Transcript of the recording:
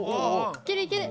いけるいける。